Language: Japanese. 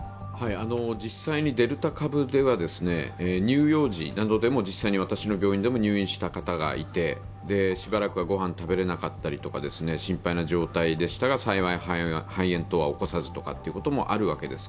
実際、デルタ株では乳幼児などでも私の病院でも入院した方がいて、しばらくは御飯食べれなかったり心配な状態でしたが幸い、肺炎等は起こさずということがありました。